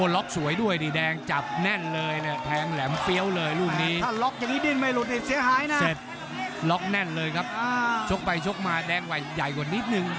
ล็อคแน่นเลยครับโชคไปโชคมาแดงไหวใหญ่กว่านิดนึง